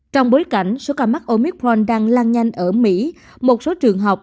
trong bối cảnh số ca mắc oipron đang lan nhanh ở mỹ một số trường học